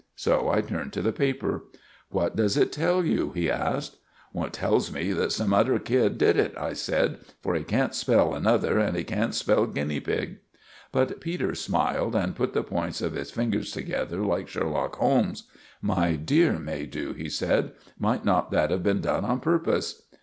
So I turned to the paper. "What does it tell you?" he asked. "It tells me that some utter kid did it," I said, "for he can't spell 'another' and he can't spell 'guinea pig.'" But Peters smiled and put the points of his fingers together like Sherlock Holmes. "My dear Maydew," he said, "might not that have been done on purpose?"